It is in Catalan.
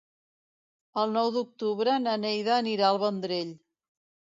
El nou d'octubre na Neida anirà al Vendrell.